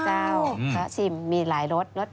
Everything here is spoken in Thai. แล้วก็มีเซตเป็น